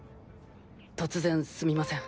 突然すみません。